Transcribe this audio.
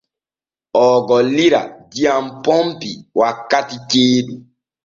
Oo gollira diyam pompi wakkati ceeɗu.